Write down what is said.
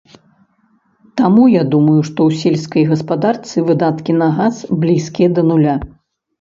Таму, я думаю, што ў сельскай гаспадарцы выдаткі на газ блізкія да нуля.